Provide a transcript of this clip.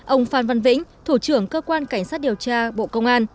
ông phan văn vĩnh thủ trưởng cơ quan cảnh sát điều tra bộ công an